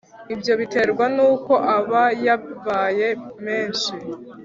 Ibyo biterwa n’uko aba yabaye menshi